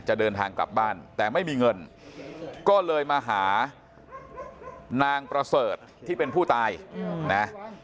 จะเดินทางกลับบ้านแต่ไม่มีเงินก็เลยมาหานางประเสริฐที่เป็นผู้ตายนะ